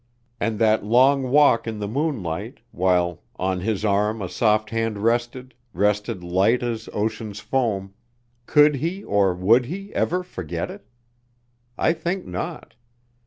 And that long walk in the moonlight, while "On his arm a soft hand rested; rested light as ocean's foam," could he, or would he, ever forget it? I think not.